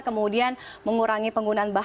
kemudian mengurangi penggunaan bahan